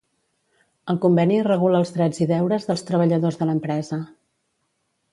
El Conveni regula els drets i deures dels treballadors de l'empresa.